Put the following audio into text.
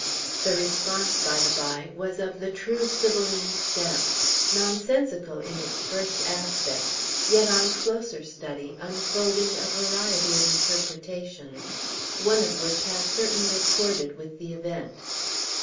The response, by the bye, was of the true Sibylline stamp, nonsensical in its first aspect, yet on closer study unfolding a variety of interpretations, one of which has certainly accorded with the event.